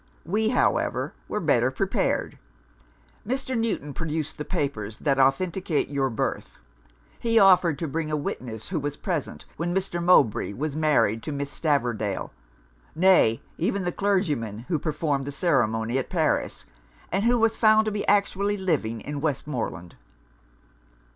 We, however, were better prepared. Mr. Newton produced the papers that authenticate your birth; he offered to bring a witness who was present when Mr. Mowbray was married to Miss Stavordale; nay even the clergyman who performed the ceremony at Paris, and who is found to be actually living in Westmoreland.